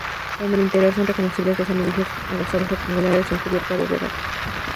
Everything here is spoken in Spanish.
En el interior son reconocibles dos aljibes adosados rectangulares son cubierta abovedada.